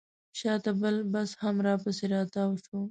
شاته بل بس هم راپسې راتاو شو.